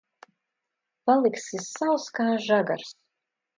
Paliksi sauss kā žagars.